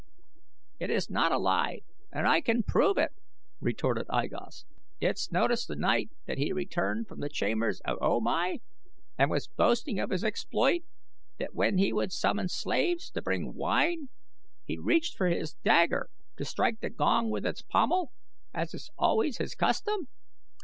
"It is not a lie and I can prove it," retorted I Gos. "Didst notice the night that he returned from the chambers of O Mai and was boasting of his exploit, that when he would summon slaves to bring wine he reached for his dagger to strike the gong with its pommel as is always his custom?